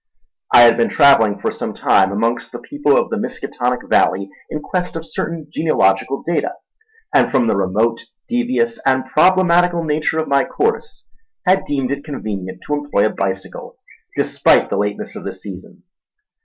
I had been travelling for some time amongst the people of the Miskatonic Valley in quest of certain genealogical data; and from the remote, devious, and problematical nature of my course, had deemed it convenient to employ a bicycle despite the lateness of the season.